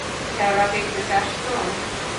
খেলা দেখতে চাস তো?